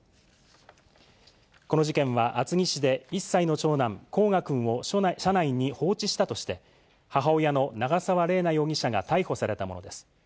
この事件は、厚木市で１歳の長男、煌翔くんを車内に放置したとして、母親の長沢麗奈容疑者が逮捕されたものです。